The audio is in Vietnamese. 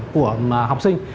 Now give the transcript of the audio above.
của học sinh